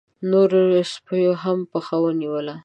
نورو سپيو هم پښه ونيوله.